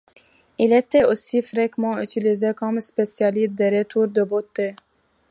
Il était aussi fréquemment utilisé comme spécialiste des retours de bottés.